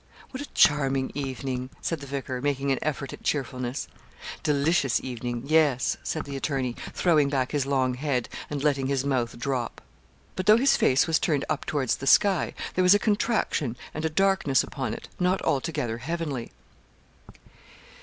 'What a charming evening,' said the vicar, making an effort at cheerfulness. 'Delicious evening yes,' said the attorney, throwing back his long head, and letting his mouth drop. But though his face was turned up towards the sky, there was a contraction and a darkness upon it, not altogether heavenly.